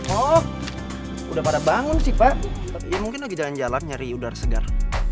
oh udah pada bangun sih pak tapi mungkin lagi jalan jalan nyari udara segar